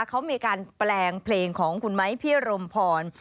เขามีการแปลงเพลงของคุณไม้พี่รมพร